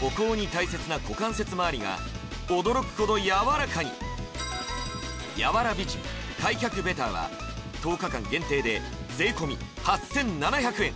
歩行に大切な股関節まわりが驚くほど柔らかに柔ら美人開脚ベターは１０日間限定で税込８７００円